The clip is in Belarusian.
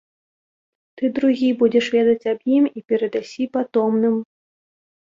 Ты другі будзеш ведаць аб ім і перадасі патомным.